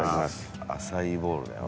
アサイーボウルだよ。